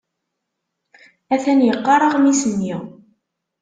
Atan yeqqar aɣmis-nni.